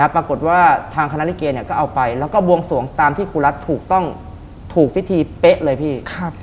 ปรากฏว่าทางคณะลิเกก็เอาไปแล้วก็บวงสวงตามที่ครูรัฐถูกต้องถูกพิธีเป๊ะเลยพี่